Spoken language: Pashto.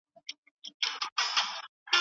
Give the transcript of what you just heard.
هغې په سپین ټیکري کې د یوې مېړنۍ پښتنې څېره لرله.